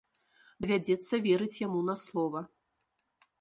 Давядзецца верыць яму на слова.